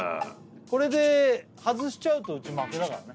これで外しちゃうとうち負けだからね